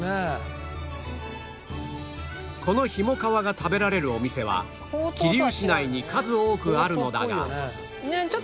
このひもかわが食べられるお店は桐生市内に数多くあるのだが